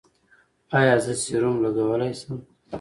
ایا زه سیروم لګولی شم؟